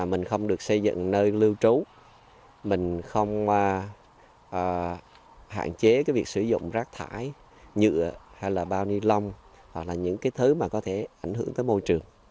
bằng nơi lưu trú mình không hạn chế cái việc sử dụng rác thải nhựa hay là bao ni lông hoặc là những cái thứ mà có thể ảnh hưởng tới môi trường